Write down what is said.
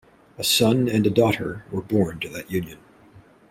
A son and a daughter were born to that union.